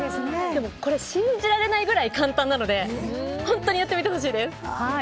でもこれ信じられないくらい簡単なので本当にやってみてほしいです。